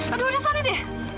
aduh udah sana dia